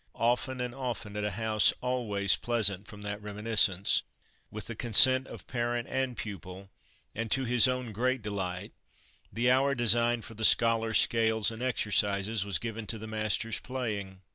Often and often, at a house always pleasant from that reminiscence, with the consent of parent and pupil, and to his own great delight, the hour designed for the scholar's scales and exercises was given to the master's playing.